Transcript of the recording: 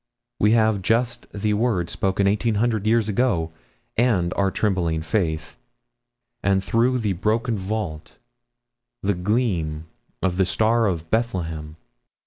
We have just the word spoken eighteen hundred years ago, and our trembling faith. And through the broken vault the gleam of the Star of Bethlehem.